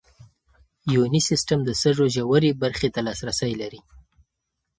یوني سیسټم د سږو ژورې برخې ته لاسرسی لري.